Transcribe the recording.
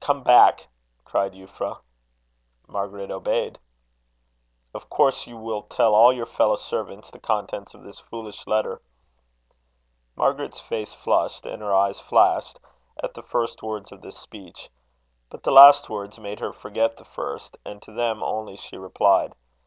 "Come back," cried Euphra. Margaret obeyed. "Of course you will tell all your fellow servants the contents of this foolish letter." Margaret's face flushed, and her eye flashed, at the first words of this speech; but the last words made her forget the first, and to them only she replied.